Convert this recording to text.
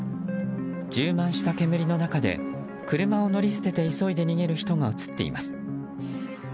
充満した煙の中で車を乗り捨てて急いで逃げる人が映っています。